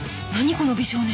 この美少年。